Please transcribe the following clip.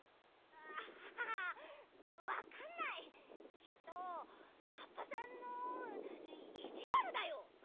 きっとカッパさんのいじわるだよ。